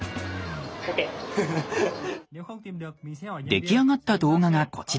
出来上がった動画がこちら。